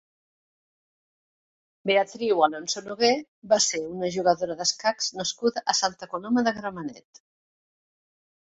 Beatriu Alfonso Nogué va ser una jugadora d'escacs nascuda a Santa Coloma de Gramenet.